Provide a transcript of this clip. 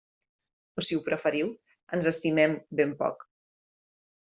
O si ho preferiu, ens estimem ben poc.